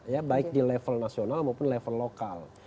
ya baik di level nasional maupun level lokal